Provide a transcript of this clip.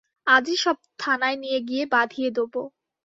আজি সব থানায় নিয়ে গিয়ে বাঁধিয়ে দোব।